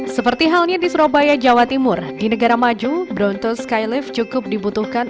seperti halnya di surabaya jawa timur di negara maju bronto skylift cukup dibutuhkan